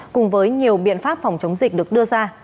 cùng với nhiều biện pháp phòng chống dịch được đưa ra